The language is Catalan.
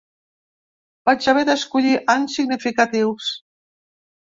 Vaig haver d’escollir anys significatius.